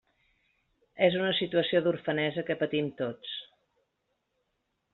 És una situació d'orfenesa que patim tots.